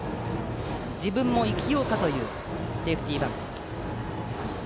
自分も生きようかというセーフティーバント。